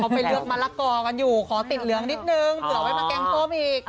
ไปเลือกมะละกอกันอยู่ขอติดเหลืองนิดนึงเผื่อไว้มาแกงส้มอีก